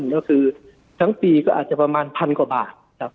ก็คือทั้งปีก็อาจจะประมาณพันกว่าบาทครับ